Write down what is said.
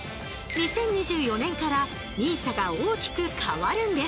２０２４年からＮＩＳＡが大きく変わるんです。